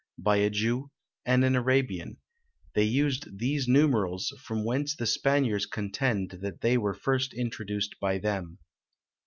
by a Jew, and an Arabian; they used these numerals, from whence the Spaniards contend that they were first introduced by them.